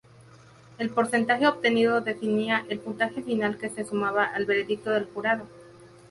El porcentaje obtenido definía el puntaje final, que se sumaba al veredicto del jurado.